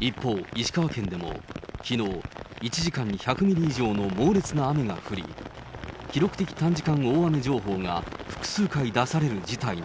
一方、石川県でもきのう、１時間に１００ミリ以上の猛烈な雨が降り、記録的短時間大雨情報が複数回出される事態に。